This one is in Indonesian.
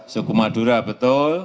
suku madura betul